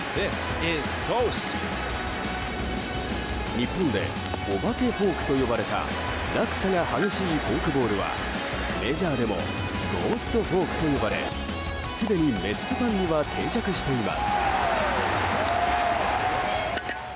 日本でお化けフォークと呼ばれた落差が激しいフォークボールはメジャーでもゴーストフォークと呼ばれすでにメッツファンには定着しています。